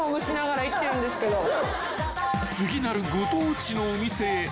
［次なるご当地のお店へ］